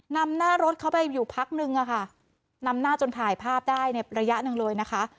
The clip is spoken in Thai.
นำหน้ารถเข้าไปอยู่พักนึงอะค่ะนำหน้าจนถ่ายภาพได้ในระยะหนึ่งเลยนะคะ